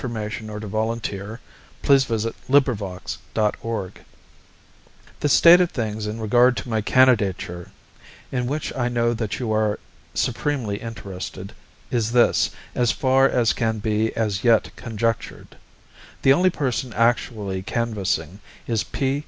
LETTERS MARCUS TULLIUS CICERO I To ATTICUS (AT ATHENS) ROME, JULY THE state of things in regard to my candidature, in which I know that you are supremely interested, is this, as far as can be as yet conjectured. The only person actually canvassing is P.